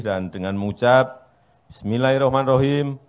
dan dengan mengucap bismillahirrahmanirrahim